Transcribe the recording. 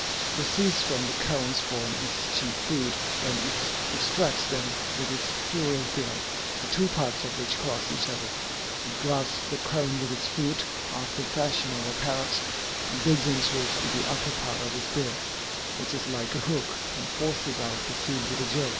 The seeds from the cones form its chief food, and it extracts them with its curious bill, the two parts of which cross each other. It grasps the cone with its foot, after the fashion of a parrot, and digs into it with the upper part of its bill, which is like a hook, and forces out the seed with a jerk.'"